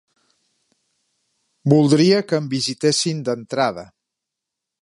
Voldria que em visitessin d'entrada.